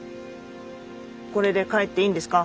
これで帰っていいんですか？